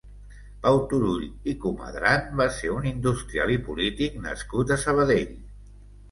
Pau Turull i Comadran va ser un industrial i polític nascut a Sabadell.